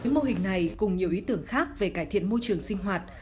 mô hình này cùng nhiều ý tưởng khác về cải thiện môi trường sinh hoạt